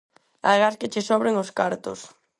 Agás que che sobren os cartos.